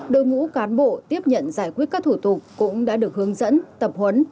đội ngũ cán bộ tiếp nhận giải quyết các thủ tục cũng đã được hướng dẫn tập huấn